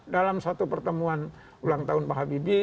dalam satu pertemuan ulang tahun pak habibie